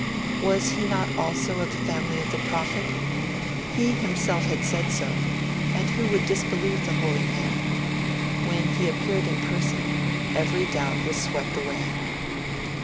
Was he not also of the family of the prophet? He himself had said so, and who would disbelieve the holy man? When he appeared in person, every doubt was swept away.